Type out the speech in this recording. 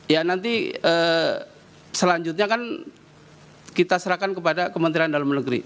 ya nanti selanjutnya kan kita serahkan kepada kementerian dalam negeri